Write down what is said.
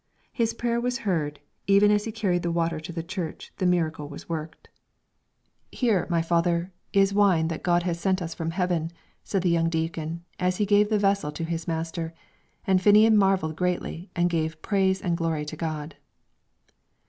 His prayer was heard; even as he carried the water to the church the miracle was worked. "Here, my Father, is wine that God has sent us from heaven," said the young deacon, as he gave the vessel to his master, and Finnian marvelled greatly and gave praise and glory to God.